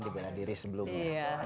di bela diri sebelumnya